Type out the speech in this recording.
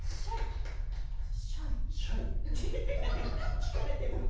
聞かれても。